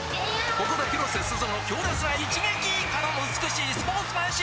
ここで広瀬すずの強烈な一撃！からの美しいスポーツマンシップ！